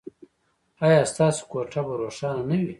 ایا ستاسو کوټه به روښانه نه وي؟